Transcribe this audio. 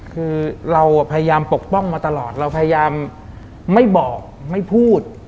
คือเราพยายามปกป้องมาตลอดเราพยายามไม่บอกไม่พูด